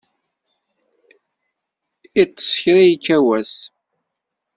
Iṭṭes kra ikka wass.